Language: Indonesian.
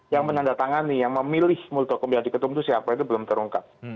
yang menandatangani yang memilih muldoko menjadi ketum itu siapa itu belum terungkap